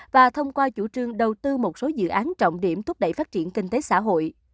và thông qua chủ trương đầu tư một số dự án trọng điểm thúc đẩy phát triển kinh tế xã hội